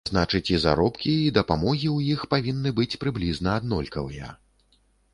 Значыць, і заробкі, і дапамогі ў іх павінны быць прыблізна аднолькавыя.